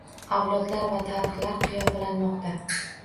Avlodlar va tarixlar qofiyalanmoqda